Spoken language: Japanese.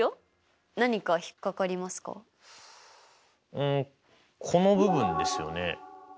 うんこの部分ですよね。